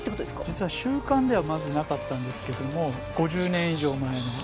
実は週刊ではまずなかったんですけども５０年以上前の。